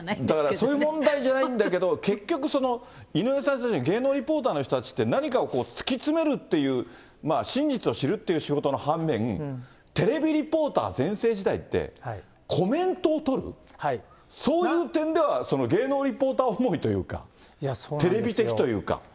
だからそういう問題じゃないんだけど、結局、井上さんたち、芸能リポーターの人たちって、何かを突き詰めるっていう、真実を知るっていう仕事の反面、テレビリポーター全盛時代って、コメントを取る、そういう点では、芸能リポーター思いというか、テレビ的というか。